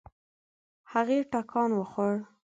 هغې ټکان وخوړ.